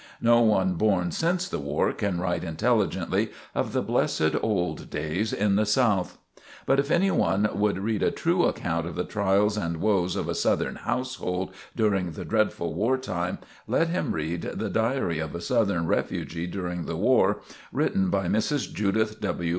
No one born since the war can write intelligently of the blessed old days in the South. But if any one would read a true account of the trials and woes of a Southern household during the dreadful war time, let him read "The Diary of a Southern Refugee During the War," written by Mrs. Judith W.